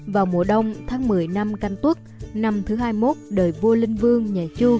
vào mùa đông tháng một mươi năm canh tuất năm thứ hai mươi một đời vua linh vương nhà chu